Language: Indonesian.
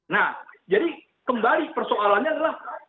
nah jadi kembali persoalannya adalah